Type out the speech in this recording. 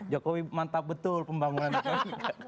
jokowi mantap betul pembangunan jokowi kan